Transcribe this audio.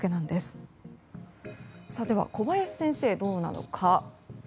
では、小林先生はどうなのか。